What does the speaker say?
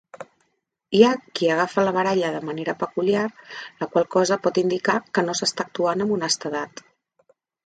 Hi ha qui agafa la baralla de manera peculiar, la qual cosa por indicar que no s'està actuant amb honestedat.